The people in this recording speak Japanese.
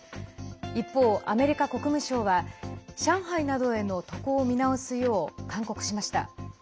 一方、アメリカ国務省は上海などへの渡航を見直すよう勧告しました。